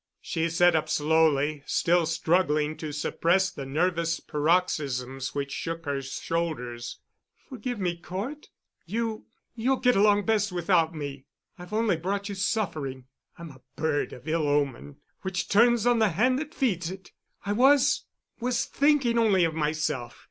She sat up slowly, still struggling to suppress the nervous paroxysms which shook her shoulders. "Forgive me, Cort. You—you'll get along best without me. I've only brought you suffering. I'm a bird of ill omen—which turns on the hand that feeds it. I was—was thinking only of myself.